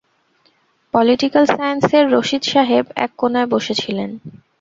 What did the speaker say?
Political সায়েন্সের রশিদ সাহেব এক কোণায় বসেছিলেন।